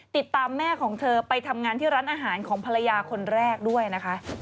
ติดตามแม่ของเธอไปทำงานที่ร้านอาหารของภรรยาคนแรกด้วยนะคะ